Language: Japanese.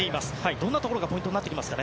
どんなところがポイントになりますか？